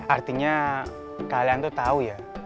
artinya kalian tuh tahu ya